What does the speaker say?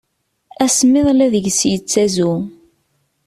Asemmiḍ la deg-s yettazu.